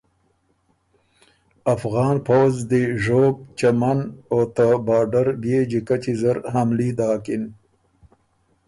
افغان پؤځ دی ژوب، چمن او ته باډر بيې جیکچی زر حملي داکِن۔